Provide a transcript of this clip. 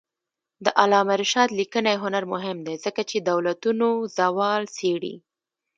د علامه رشاد لیکنی هنر مهم دی ځکه چې دولتونو زوال څېړي.